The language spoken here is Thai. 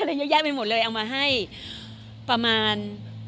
เยอะแยะไปหมดเลยเอามาให้ประมาณ